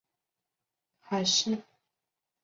海虱在浮游阶段如何扩散及寻找寄主仍然是迷。